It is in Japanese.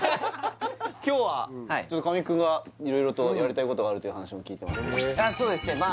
今日は神木くんが色々とやりたいことがあるという話も聞いてますけどそうですね